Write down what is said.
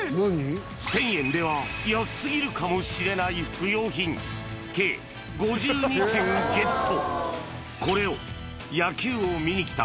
１０００円では安すぎるかもしれない不要品、計５２点ゲット。